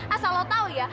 asal lo tau ya